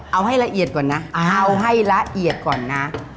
เอาให้ละเอียดก่อนนะเอาให้ละเอียดก่อนนะ